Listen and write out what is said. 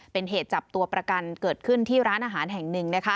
เป็นเหตุจับตัวประกันเกิดขึ้นที่ร้านอาหารแห่งหนึ่ง